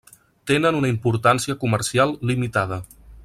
Tenen una importància comercial limitada.